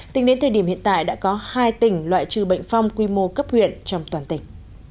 tính đến thời điểm hiện tại đã có hai tỉnh loại trừ bệnh phong quy mô cấp huyện trong toàn tỉnh